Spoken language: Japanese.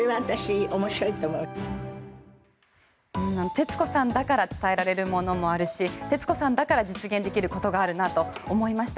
徹子さんだから伝えられるものもあるし徹子さんだから実現できることがあるなと思いました。